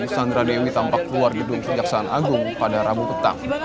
sandra dewi tampak keluar gedung kejaksaan agung pada rabu petang